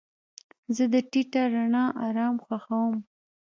زه د ټیټه رڼا آرام خوښوم.